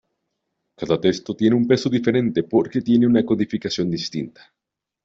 Cada texto tiene un peso diferente porque tiene una codificación distinta.